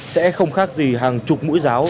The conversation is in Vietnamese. sẽ không khác gì hàng chục mũi giáo